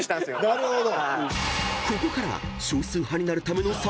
なるほど！